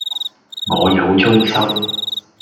我有租收